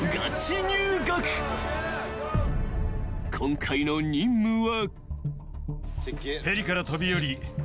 ［今回の任務は］